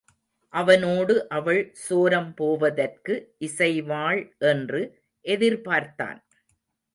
அவனோடு அவள் சோரம் போவதற்கு இசைவாள் என்று எதிர்பார்த்தான்.